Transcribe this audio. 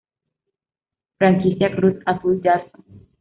Franquicia Cruz Azul Jasso